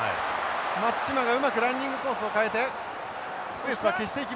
松島がうまくランニングコースを変えてスペースは消していきましたが。